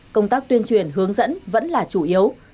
công tác tuyên truyền hướng dẫn vẫn là chủ yếu